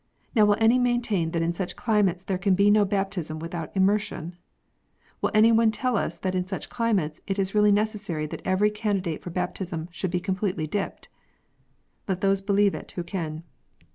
Now will any maintain that in such climates there can be no baptism without " immersion "? Will any one tell us that in such climates it is really necessary that every candi date for baptism should be completely " dipped " 1 Let those believe it who can.